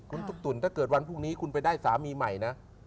คุณตุ๊กตุ๋นถ้าเกิดวันพรุ่งนี้คุณไปได้สามีใหม่นะ